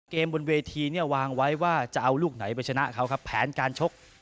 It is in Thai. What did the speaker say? บนเวทีเนี่ยวางไว้ว่าจะเอาลูกไหนไปชนะเขาครับแผนการชก